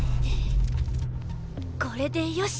これでよし！